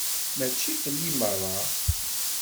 Mačči fell-i merra.